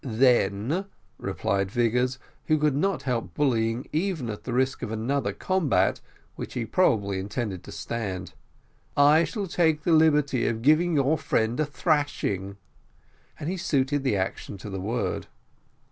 "Then," replied Vigors, who could not help bullying even at the risk of another combat which he probably intended to stand, "I shall take the liberty of giving your friend a thrashing;" and he suited the action to the word.